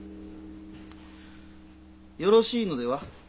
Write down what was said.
よろしいのでは。